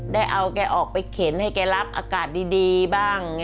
ได้เอาแกออกไปเข็นให้แกรับอากาศดีบ้าง